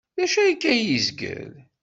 D acu akka ay yezgel?